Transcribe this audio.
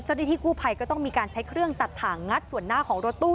เจ้าหน้าที่กู้ภัยก็ต้องมีการใช้เครื่องตัดถ่างงัดส่วนหน้าของรถตู้